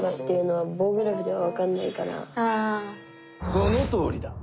そのとおりだ！